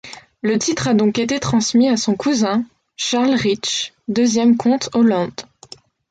Le titre a donc été transmis à son cousin, Charles Rich, deuxième comte Holland.